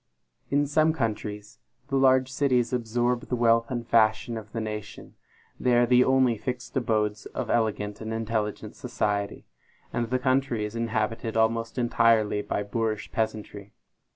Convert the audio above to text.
In some countries, the large cities absorb the wealth and fashion of the nation; they are the only fixed abodes of elegant and intelligent society, and the country is inhabited almost entirely by boorish peasantry.